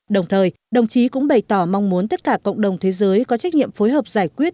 đồng thời đồng chí cũng bày tỏ mong muốn tất cả cộng đồng thế giới có trách nhiệm phối hợp giải quyết